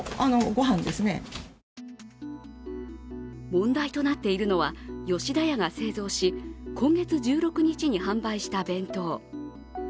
問題となっているのは、吉田屋が製造し今月１６日に販売した弁当。